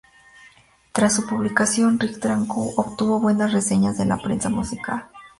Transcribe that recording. Tras su publicación, "Rick Danko" obtuvo buenas reseñas de la prensa musical.